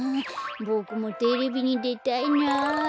ボクもテレビにでたいな。